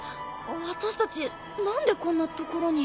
私たち何でこんな所に。